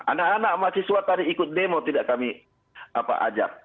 anak anak mahasiswa tadi ikut demo tidak kami ajak